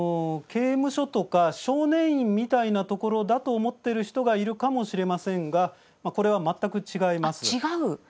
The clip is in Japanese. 刑務所とか少年院みたいなところだと思っている人がいるかもしれませんがこれは全く違います。